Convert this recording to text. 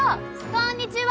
こんにちは！